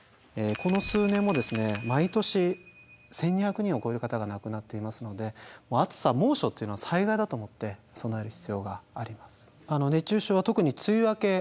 この数年も毎年１，２００人を超える方が亡くなっていますので暑さ猛暑っていうのは災害だと思って備える必要があります。